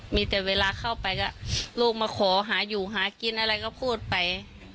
มีแต่เวลาเข้าไปก็ลูกมาขอหาอยู่หากินอะไรก็พูดไป